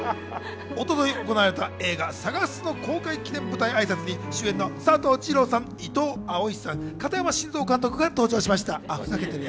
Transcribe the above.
一昨日行われた映画『さがす』の公開記念舞台挨拶に主演の佐藤二朗さん、伊東蒼さん、片山慎三監督が登場しました。